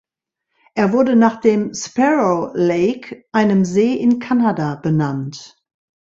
Er wurde nach dem "Sparrow Lake", einem See in Kanada, benannt.